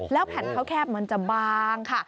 แผ่นข้าวแคบมันจะบางค่ะ